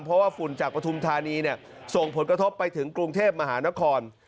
เพราะว่าฝุ่นจากปฐุมธานีส่งผลกระทบไปถึงกรุงเทพมหานคร